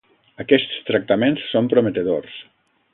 Aquests tractaments són prometedors.